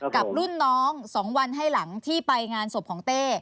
กับรุ่นน้อง๒วันให้หลังที่ไปงานศพของเต้